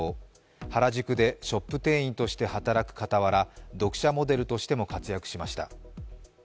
原宿でショップ店員として働く傍ら、読者モデルとしても活躍しました。